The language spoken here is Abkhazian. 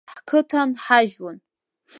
Ҳқыҭа нҳажьуан.